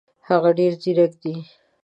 هغه ډېر زیرک دی.